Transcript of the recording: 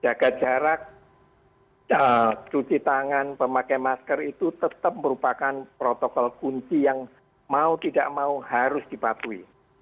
jaga jarak cuci tangan memakai masker itu tetap merupakan protokol kunci yang mau tidak mau harus dipatuhi